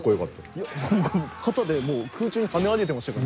いや僕肩でもう空中に跳ね上げてましたから。